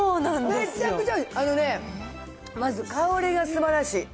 めちゃくちゃ、あのね、まず香りがすばらしい。